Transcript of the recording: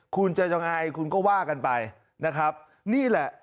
คุณจะยังไงคุณก็ว่ากันไปนะครับนี่แหละ